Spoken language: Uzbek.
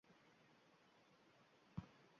siyosiy nuqtai nazardan umidsizday ko‘rinadi.